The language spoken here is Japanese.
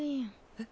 えっ？